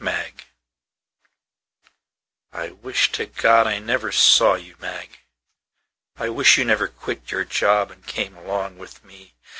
Mag I WISH to God I never saw you, Mag.I wish you never quit your job and came along with me.